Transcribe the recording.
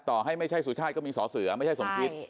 ต่อให้ไม่ใช่สุชาติก็มีสอเสือไม่ใช่สมคิต